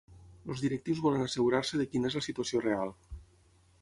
Els directius volen assegurar-se de quina és la situació real.